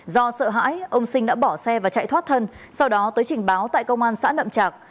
do sợ hãi ông sinh đã bỏ xe và chạy thoát thân sau đó tới trình báo tại công an xã nậm trạc